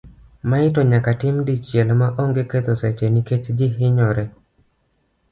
Mae to nyaka tim dichiel ma onge ketho seche nikech ji hinyore.